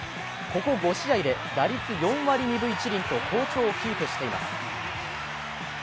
ここ５試合で打率４割２分１厘と好調をキープしています。